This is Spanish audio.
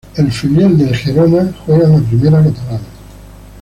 El filial del Girona juega en la Primera Catalana.